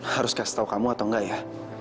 harus kasih tahu kamu atau enggak ya